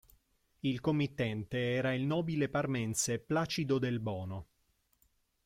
Il committente era il nobile parmense Placido Del Bono.